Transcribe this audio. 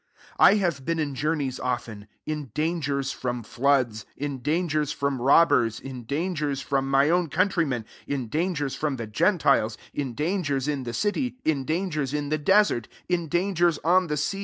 I have been in journeys often, 26 in dan gers from floods, in dangers from robbers, in daggers from my own countrymen, in dangers from the gentiles, in dangers in jthc city, in dangers in the desert, in dangers on the sea, » i. e.